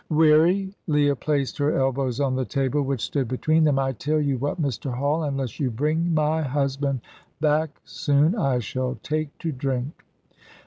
"Weary!" Leah placed her elbows on the table which stood between them. "I tell you what, Mr. Hall: unless you bring my husband back soon, I shall take to drink."